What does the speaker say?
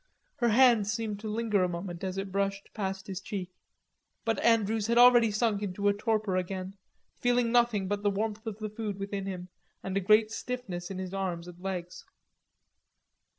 Her hand seemed to linger a moment as it brushed past his cheek. But Andrews had already sunk into a torpor again, feeling nothing but the warmth of the food within him and a great stiffness in his legs and arms.